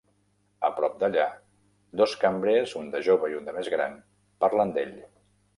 A prop d'allà, dos cambrers, un de jove i un de més gran, parlen d'ell.